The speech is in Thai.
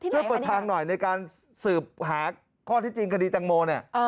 ช่วยเปิดทางหน่อยในการสืบหาข้อที่จริงคดีแตงโมเนี่ย